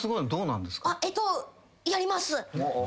えっとやります。